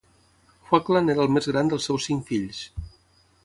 Hoagland era el més gran dels seus cinc fills.